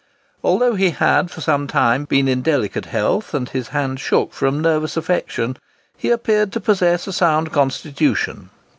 Although he had for some time been in delicate health, and his hand shook from nervous affection, he appeared to possess a sound constitution.